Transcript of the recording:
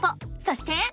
そして。